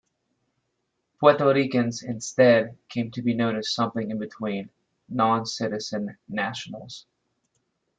Puerto Ricans, instead, came to be known as something in between: noncitizen nationals.